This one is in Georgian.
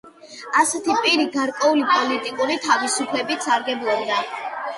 ასეთი პირი გარკვეული პოლიტიკური თავისუფლებით სარგებლობდა.